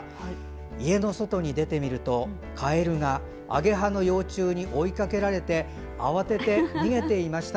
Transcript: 家の外に出てみると、カエルがアゲハの幼虫に追いかけられて慌てて逃げていました。